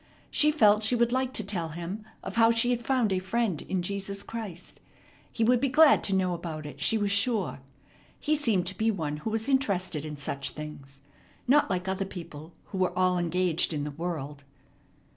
She felt she would like to tell him of how she had found a friend in Jesus Christ. He would be glad to know about it, she was sure. He seemed to be one who was interested in such things, not like other people who were all engaged in the world.